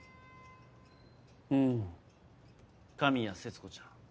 うん神谷節子ちゃん。